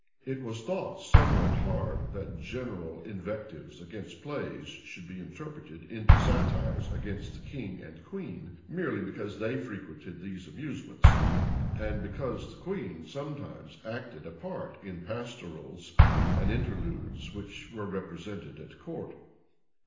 It was thought somewhat hard that general invectives against plays should be interpreted into satires against the king and queen, merely because they frequented these amusements, and because the queen sometimes acted a part in pastorals and interludes which were represented at court.